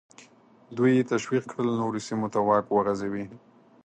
دوی یې تشویق کړل نورو سیمو ته واک وغځوي.